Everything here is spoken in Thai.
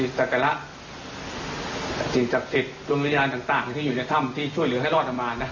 สักการะสิ่งศักดิ์สิทธิ์ดวงวิญญาณต่างที่อยู่ในถ้ำที่ช่วยเหลือให้รอดออกมานะ